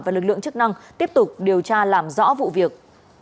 và lực lượng chức năng tiếp tục điều tra làm rõ vụ việc